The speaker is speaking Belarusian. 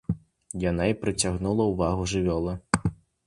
Яна і прыцягнула ўвагу жывёлы.